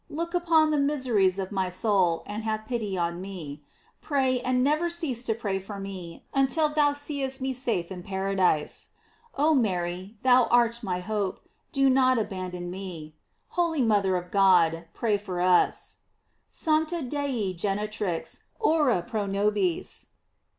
Look upon the miseries of my soul, and have pity on me. Pray, and never tease to pray for me until thou seest me safe in paradise. Oh Mary, thou art my hope; do not 730 GLORIES OF MART. abandon me. Holy mother of God, pray for us; "Sancta Dei genitrix, ora pro nobis."